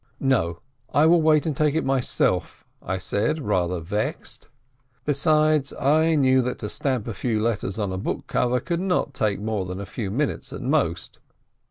"Xo, I will wait and take it myself," I said, rather vexed. Besides, I knew that to stamp a few letters on a book cover could not take more than a few minutes at most.